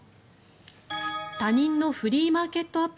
他人のフリーマーケット